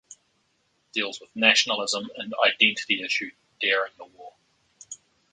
It deals with nationalism and identity issue daring the war.